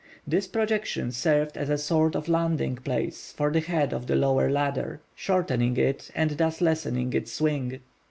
This projection served as a sort of landing place for the head of the lower ladder, shortening it, and thus lessening its swing.